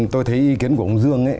tôi thấy ý kiến của ông dương